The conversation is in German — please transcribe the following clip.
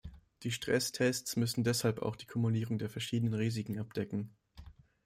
Die Stresstests müssen deshalb auch die Kumulierung der verschiedenen Risiken abdecken.